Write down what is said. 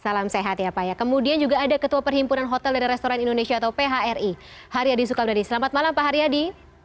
salam sehat ya pak ya kemudian juga ada ketua perhimpunan hotel dan restoran indonesia atau phri haryadi sukamdadi selamat malam pak haryadi